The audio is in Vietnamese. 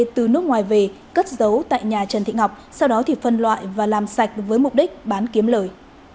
từ nước ngoài về cất giấu tại nhà trần thị ngọc sau đó thì phân loại và làm sạch với mục đích bán kiếm lời